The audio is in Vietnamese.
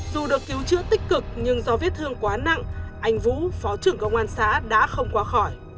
dù được cứu chữa tích cực nhưng do vết thương quá nặng anh vũ phó trưởng công an xã đã không qua khỏi